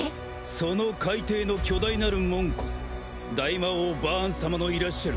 その海底の巨大なる門こそ大魔王バーン様のいらっしゃる